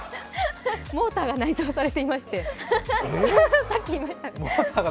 モーターが内蔵されていましてさっき言いました。